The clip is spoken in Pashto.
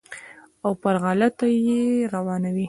او پر غلطه یې روانوي.